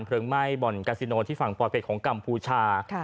เพลงไหม้บอลกาซิโนที่ฝั่งปลอดเจตย์ของกัมพูชา